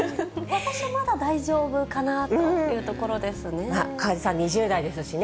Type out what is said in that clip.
私はまだ大丈夫かなというところですね。